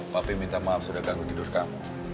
pape minta maaf sudah ganggu tidur kamu